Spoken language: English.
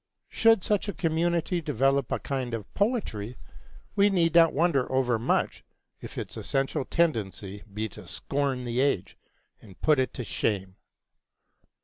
Should such a community develop a kind of poetry, we need not wonder overmuch if its essential tendency be to scorn the age and put it to shame.